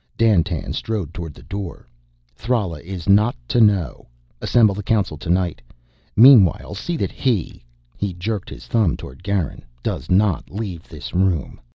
Dandtan strode toward the door. "Thrala is not to know. Assemble the Council tonight. Meanwhile, see that he," he jerked his thumb toward Garin, "does not leave this room."